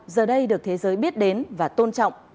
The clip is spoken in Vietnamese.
giờ đây được thế giới biết đến và tôn trọng